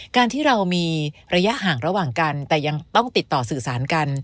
การที่เรามีระยะห่างระหว่างกันแต่ยังต้องติดต่อสื่อสารกัน